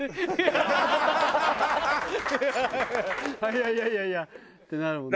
いやいやいやいやってなるもんな。